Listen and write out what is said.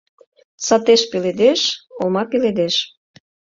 Сатеш пеледеш - олма пеледеш